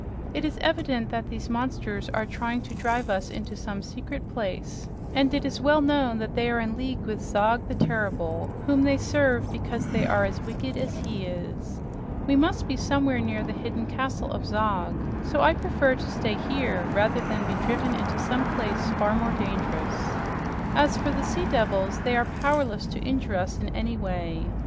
"It is evident that these monsters are trying to drive us into some secret place, and it is well known that they are in league with Zog the Terrible, whom they serve because they are as wicked as he is. We must be somewhere near the hidden castle of Zog, so I prefer to stay here rather than be driven into some place far more dangerous. As for the sea devils, they are powerless to injure us in any way.